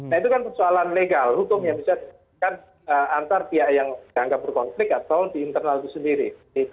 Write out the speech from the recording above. nah itu kan persoalan legal hukum yang bisa dikatakan antar pihak yang dianggap berkonflik atau di internal itu sendiri